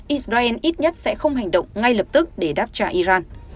israel ít nhất sẽ không hành động ngay lập tức để đáp trả iran